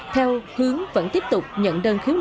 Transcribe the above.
theo hướng vẫn tiếp tục nhận đơn khiếu nại